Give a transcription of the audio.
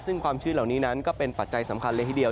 ซึ่งความชื้นเหล่านี้นั้นก็เป็นปัจจัยสำคัญเลยทีเดียว